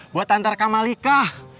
buat antar kamalika